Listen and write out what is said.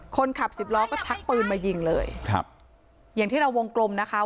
คนขับสิบล้อก็ชักปืนมายิงเลยครับอย่างที่เราวงกลมนะคะ